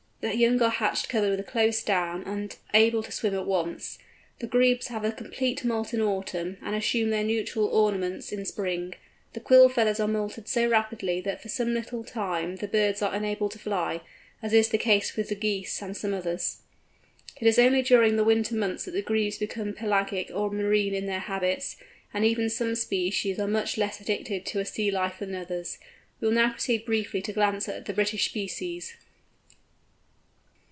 The young are hatched covered with close down, and able to swim at once. The Grebes have a complete moult in autumn, and assume their nuptial ornaments in spring. The quill feathers are moulted so rapidly that for some little time the birds are unable to fly, as is the case with the Geese and some others. It is only during the winter months that the Grebes become pelagic or marine in their habits, and even some species are much less addicted to a sea life than others. We will now proceed briefly to glance at the British species.